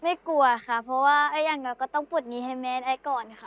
ไม่กลัวเพราะว่าอย่างนั้นก็ต้องปวดนี้แม่ให้ก่อนค่ะ